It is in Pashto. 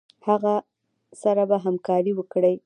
هغه سره به همکاري وکړي.